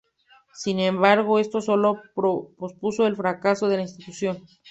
Sin embargo, esto solo pospuso el fracaso de la institución.